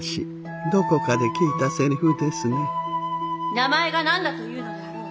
「名前が何だというのであろう」。